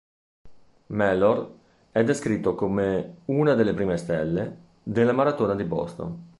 Mellor è descritto come "una delle prime stelle" della maratona di Boston.